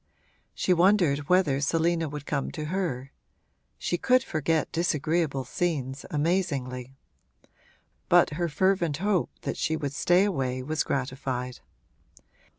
She wondered whether Selina would come to her (she could forget disagreeable scenes amazingly); but her fervent hope that she would stay away was gratified.